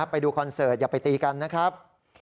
ไปดูคอนเสิร์ตอย่าไปตีกันนะครับ